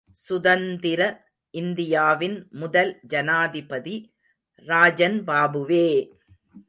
சுதந்திர இந்தியாவின் முதல் ஜனாதிபதி ராஜன்பாபுவே!